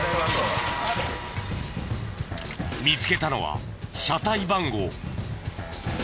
見つけたのは車体番号。